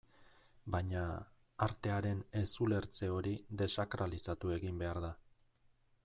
Baina, artearen ez-ulertze hori desakralizatu egin behar da.